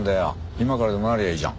今からでもなればいいじゃん。